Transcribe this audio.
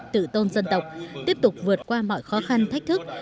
tự tôn dân tộc tiếp tục vượt qua mọi khó khăn thách thức